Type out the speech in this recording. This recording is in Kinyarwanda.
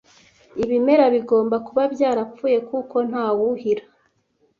Ibimera bigomba kuba byarapfuye kuko ntawuhira.